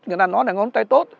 người ta nói là ngón tay tốt